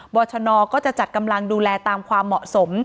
ชนก็จะจัดกำลังดูแลตามความเหมาะสม